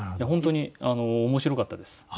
本当に面白かったです。